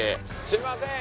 すいません。